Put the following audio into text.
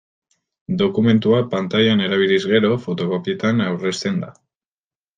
Dokumentuak pantailan erabiliz gero, fotokopietan aurrezten da.